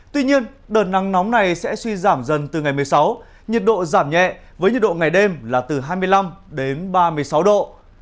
tuy nhiên đợt nắng nóng này sẽ suy giảm dần từ ngày một mươi sáu nhiệt độ giảm nhẹ với nhiệt độ ngày đêm là từ hai mươi năm đến ba mươi sáu độ